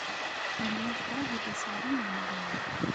Yella yekṛeh ad as-ɣren amelɣun.